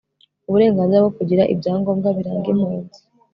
uburenganzira bwo kugira ibyangombwa biranga impunzi